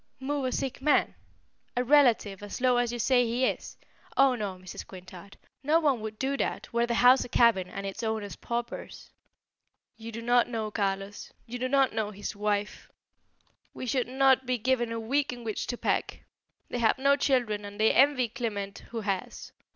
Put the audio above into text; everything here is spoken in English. "Move a sick man? a relative as low as you say he is? Oh no, Mrs. Quintard; no one would do that, were the house a cabin and its owners paupers." "You do not know Carlos; you do not know his wife. We should not be given a week in which to pack. They have no children and they envy Clement who has.